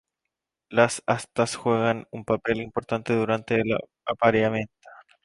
Las astas juegan un papel importante durante el apareamiento.